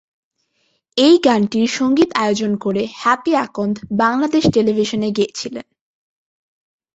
এই গানটির সংগীত আয়োজন করে হ্যাপি আখন্দ বাংলাদেশ টেলিভিশনে গেয়েছিলেন।